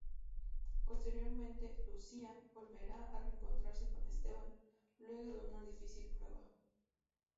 Posteriormente, "Lucía" volverá a reencontrarse con "Esteban" luego de una difícil prueba.